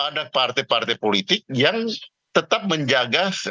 ada partai partai politik yang tetap menjaga